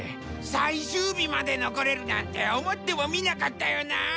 最終日まで残れるなんて思ってもみなかったよなぁ！